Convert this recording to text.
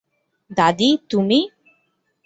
দাদী, তুমি?